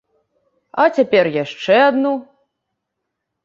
А цяпер яшчэ адну.